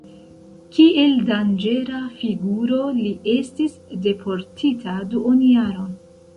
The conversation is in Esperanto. Kiel danĝera figuro li estis deportita duonjaron.